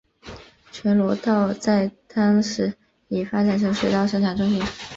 全罗道在当时已发展成水稻生产中心。